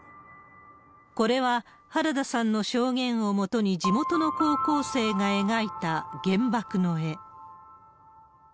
これは、原田さんの証言をもとに、地元の高校生が描いた原爆の絵。